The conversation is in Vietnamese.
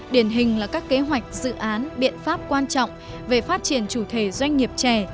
điển hình là các kế hoạch dự án biện pháp quan trọng về phát triển chủ thể doanh nghiệp trẻ